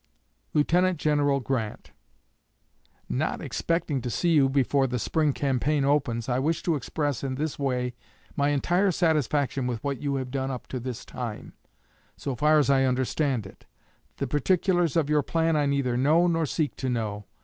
LIEUTENANT GENERAL GRANT: Not expecting to see you before the Spring campaign opens, I wish to express in this way my entire satisfaction with what you have done up to this time, so far as I understand it. The particulars of your plan I neither know nor seek to know.